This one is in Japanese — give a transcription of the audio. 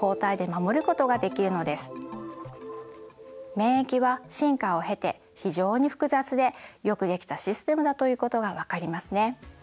免疫は進化を経て非常に複雑でよくできたシステムだということが分かりますね。